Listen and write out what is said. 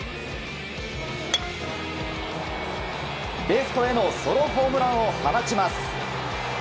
レフトへのソロホームランを放ちます。